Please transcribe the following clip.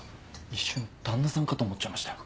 一瞬旦那さんかと思っちゃいましたよ。